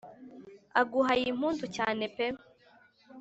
aguhaye impundu cyane pe